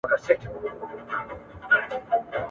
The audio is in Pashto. فقیران لکه سېلونه د کارګانو !.